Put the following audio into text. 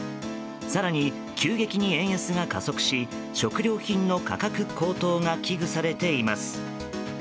更に、急激に円安が加速し食料品の価格高騰が危惧されています。